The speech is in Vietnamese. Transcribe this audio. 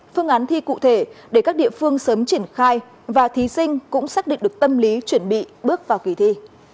phương án thi cụ thể để các địa phương sớm triển khai và thí sinh cũng xác định được tâm lý chuẩn bị bước vào kỳ thi